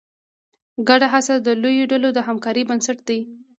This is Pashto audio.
ګډه هڅه د لویو ډلو د همکارۍ بنسټ دی.